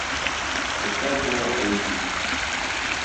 Өҫтәл тулы һый, ти.